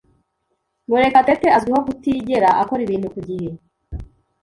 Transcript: Murekatete azwiho kutigera akora ibintu ku gihe.